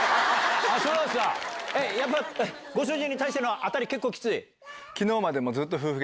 ご主人に対しての当たり結構きつい？